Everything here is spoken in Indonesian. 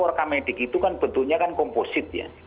orka medik itu kan bentuknya kan komposit ya